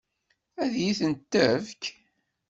Ad iyi-tent-tefk?